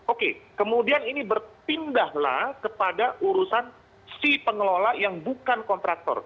oke kemudian ini berpindahlah kepada urusan si pengelola yang bukan kontraktor